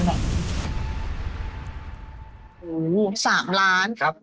ครับ